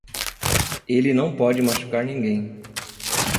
Ele não pode machucar ninguém.